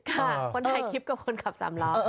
ค่ะคนถ่ายคลิปกับคนขับสำล็อก